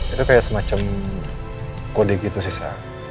itu kayak semacam kode gitu sih